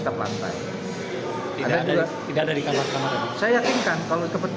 terima kasih situasi yang very interesting